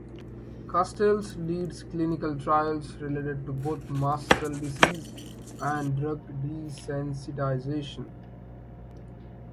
Castells leads clinical trials related to both mast cell disease and drug desensitization.